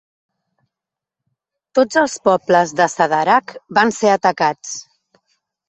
Tots els pobles de Sadarak van ser atacats.